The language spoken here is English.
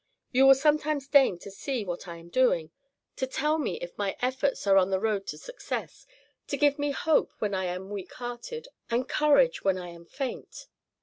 You will sometimes deign to see what I am doing, to tell me if my efforts are on the road to success, to give me hope when I am weak hearted, and courage when I am faint.